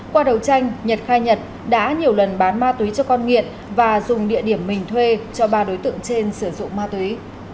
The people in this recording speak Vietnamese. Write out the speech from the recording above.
qua đầu tranh nhật khai nhật đã nhiều lần bán ma túy cho con nghiện và dùng địa điểm mình thuê cho ba đối tượng trên sử dụng ma túy